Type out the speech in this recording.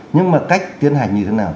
nhưng mà cách tiến hành như thế nào